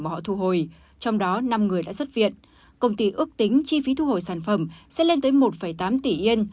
mà họ thu hồi trong đó năm người đã xuất viện công ty ước tính chi phí thu hồi sản phẩm sẽ lên tới một tám tỷ yên